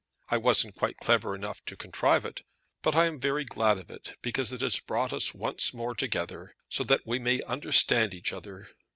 I wasn't quite clever enough to contrive it; but I am very glad of it, because it has brought us once more together, so that we may understand each other.